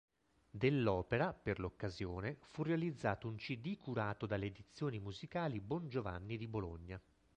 Dell'opera, per l'occasione, fu realizzato un cd curato dalle edizioni musicali Bongiovanni di Bologna.